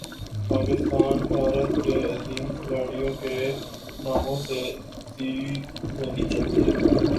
پاکستان بھارت کے عظیم کھلاڑیوں کے ناموں سے سیریز ہونی چاہیے